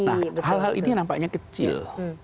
nah hal hal ini nampaknya kecil